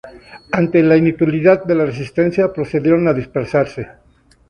Ante la inutilidad de la resistencia procedieron a dispersarse.